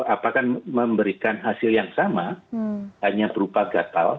apakah memberikan hasil yang sama hanya berupa gatal